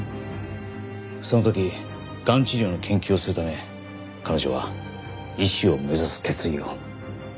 その時がん治療の研究をするため彼女は医師を目指す決意を。